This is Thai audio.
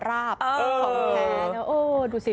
ราบของแผน